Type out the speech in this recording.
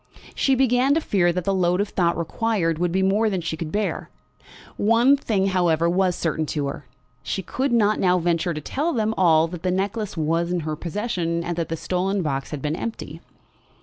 She began to fear that the load of thought required would be more than she could bear. One thing, however, was certain to her; she could not now venture to tell them all that the necklace was in her possession, and that the stolen box had been empty.